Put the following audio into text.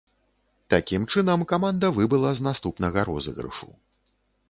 Такім чынам, каманда выбыла з наступнага розыгрышу.